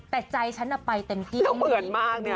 แต่ใจฉันน่ะไปเต็มที่แล้วเหมือนมากเนี่ย